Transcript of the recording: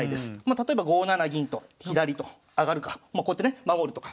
例えば５七銀と左と上かまあこうやってね守るとか。